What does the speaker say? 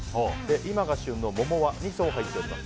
今が旬の桃は２層入っています。